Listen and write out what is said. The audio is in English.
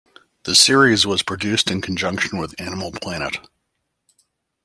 The series was produced in conjunction with Animal Planet.